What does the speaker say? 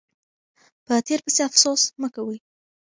په تیر پسې افسوس مه کوئ.